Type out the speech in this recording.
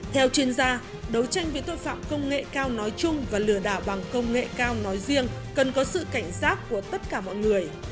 theo chuyên gia đấu tranh với tội phạm công nghệ cao nói chung và lừa đảo bằng công nghệ cao nói riêng cần có sự cảnh giác của tất cả mọi người